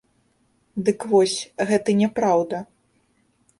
Дык вось, гэта няпраўда.